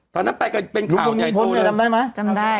ตอนนั้นไปกับเป็นข่าวใจตัวเลยหลวงปู่เดือนชัยเนี่ยจำได้ไหมจำได้ค่ะ